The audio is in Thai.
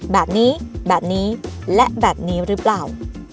แบบนี้แบบนี้และแบบนี้หรือเปล่า